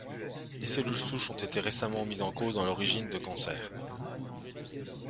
Les cellules souches ont été récemment mises en cause dans l'origine de cancers.